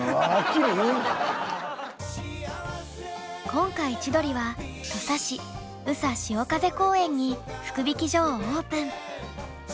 今回千鳥は土佐市・宇佐しおかぜ公園に福引き所をオープン。